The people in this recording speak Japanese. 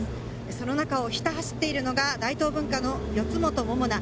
その中をひた走っているのが大東文化の四元桃奈。